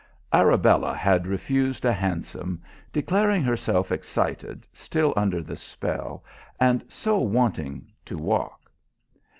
Arabella had refused a hansom, declaring herself excited, still under the spell, and so wanting to walk.